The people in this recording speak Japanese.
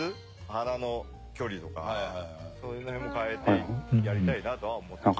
鼻の距離とかその辺も変えてやりたいなとは思ってますね。